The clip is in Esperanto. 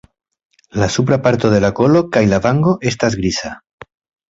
La supra parto de la kolo kaj la vango estas griza.